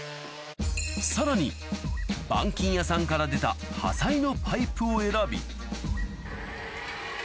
さらに板金屋さんから出た端材のパイプを選び